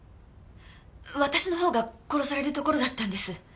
私の方が殺されるところだったんです。